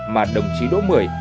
mà đồng chí đỗ mười